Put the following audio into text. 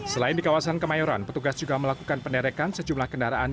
selain di kawasan kemayoran petugas juga melakukan penerekan sejumlah kendaraan